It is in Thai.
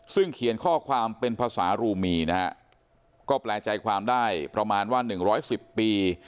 ซึ่งเขียนข้อความเป็นภาษารูมีนะฮะก็แปลใจความได้ประมาณว่า๑๑๐ปี